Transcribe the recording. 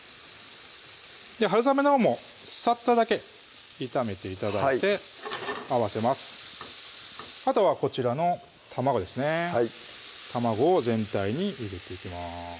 はるさめのほうもさっとだけ炒めて頂いて合わせますあとはこちらの卵ですね卵を全体に入れていきます